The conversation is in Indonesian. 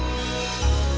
udah ke cabang ya